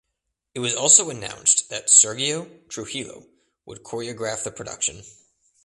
It was also announced that Sergio Trujillo would choreograph the production.